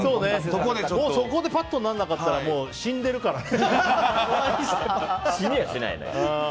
そこでパッとならなかったら死んでるからね。